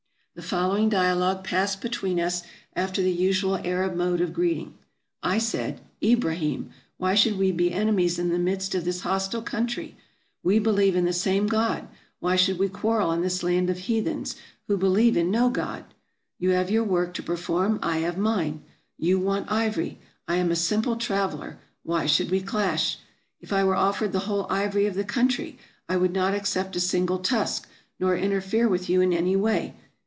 The following dialogue passed between us after the usual Arab mode of greeting. I said, " Ibrahim, why should we be enemies in the midst of this hostile country ? We be lieve in the same God, why should we quarrel in this land of heathens, who believe in no God ? You have your work to perform ; I have mine. You want ivory ; I am a simple traveler ; why should we clash ? If I were offered the whole ivory of the country, I would not accept a single tusk, nor interfere with you in any way.